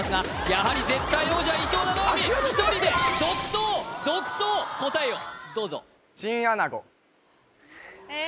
やはり絶対王者伊藤七海１人で独走独走答えをどうぞ・え！